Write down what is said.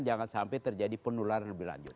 jangan sampai terjadi penularan lebih lanjut